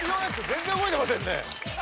全然動いてませんね。